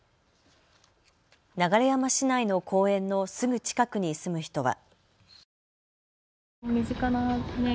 流山市内の公園のすぐ近くに住む人は。